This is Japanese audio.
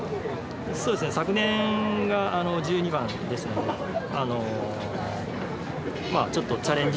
昨年が１２番ですので、ちょっとチャレンジ